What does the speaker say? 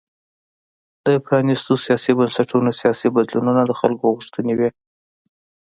د پرانیستو سیاسي بنسټونو سیاسي بدلونونه د خلکو غوښتنې وې.